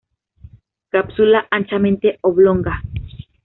Cápsula anchamente oblonga.